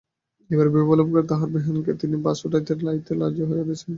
এবারে বিবাহ উপলক্ষে তাঁহার বেহানকে তিনি বাস উঠাইয়া লইতে রাজি করাইয়াছেন।